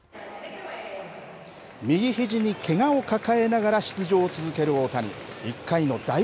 右ひじにけがを抱えながら出場を続ける大谷。